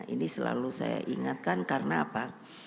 ini selalu saya ingatkan karena apa